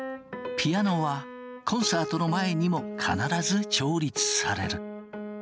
ピアノはコンサートの前にも必ず調律される。